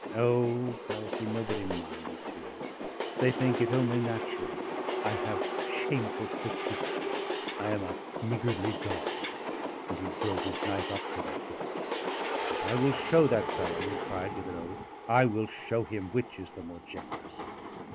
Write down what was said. "O!" cries he, "nobody minds here. They think it only natural. I have shameful proclivities. I am a niggardly dog," and he drove his knife up to the hilt. "But I will show that fellow," he cried with an oath, "I will show him which is the more generous."